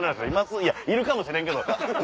いやいるかもしれんけど。